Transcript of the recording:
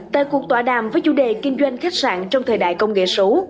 tại cuộc tọa đàm với chủ đề kinh doanh khách sạn trong thời đại công nghệ số